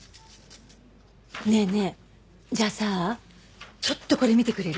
ねえねえじゃあさちょっとこれ見てくれる？